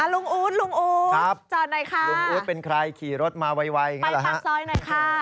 ลุงอู๊ดจอดหน่อยค่ะไปฟังซ้อยหน่อยค่ะลุงอู๊ดเป็นใครขี่รถมาวัยอย่างนั้นล่ะฮะ